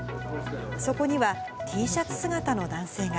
そこにはＴシャツ姿の男性が。